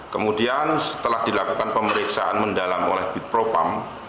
kemudian setelah dilakukan pemeriksaan mendalam oleh bipropam